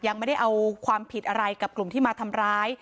ยังไม่ได้เอาความผิดอะไรกับกลุ่มที่มาทำร้าย